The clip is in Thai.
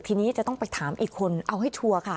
ทีนี้จะต้องไปถามอีกคนเอาให้ชัวร์ค่ะ